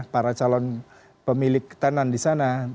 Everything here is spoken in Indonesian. para calon pemilik tanan disana